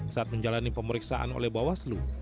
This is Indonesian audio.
saat menjalani pemeriksaan oleh bawaslu